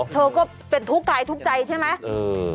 เธอก็เป็นทุกข์กายทุกข์ใจใช่ไหม